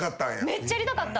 めっちゃやりたかった。